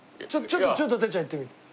ちょっとてっちゃん言ってみて。